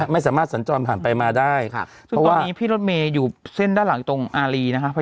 ไม่สามารถสันจรผ่านไปมาได้ตอนนี้พี่รถเมย์อยู่เส้นด้านหลังอยู่ตรง